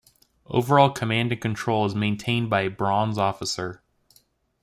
Overall command and control is maintained by a 'Bronze' officer.